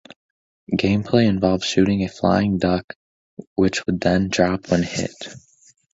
Gameplay involved shooting a flying duck which would then drop when hit.